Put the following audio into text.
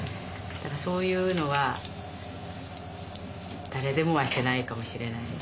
そういうのは誰でもはしてないかもしれないですよね。